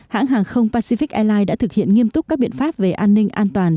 hãng hàng không pacific airlines đã thực hiện nghiêm túc các biện pháp về an ninh an toàn